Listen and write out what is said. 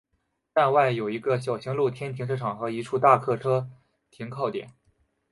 站外有一个小型露天停车场和一处大客车停靠点。